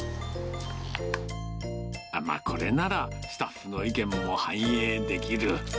あ、これならスタッフの意見も反映できる。